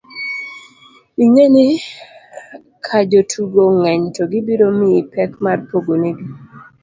ing'e ni kajotugo ng'eny to gibiro miyi pek mar pogo nigi